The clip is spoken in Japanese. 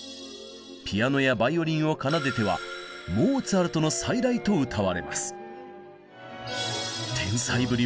ピアノやバイオリンを奏でては「モーツァルトの再来」とうたわれます。